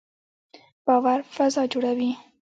باور فضا جوړوي